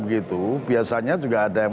begitu biasanya juga ada yang